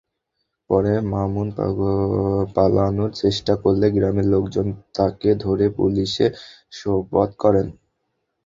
পরে মামুন পালানোর চেষ্টা করলে গ্রামের লোকজন তাঁকে ধরে পুলিশে সোপর্দ করেন।